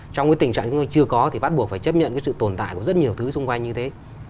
trong cái tình trạng chúng tôi chưa có thì bắt buộc phải chấp nhận cái sự tồn tại của rất nhiều thứ xung quanh như thế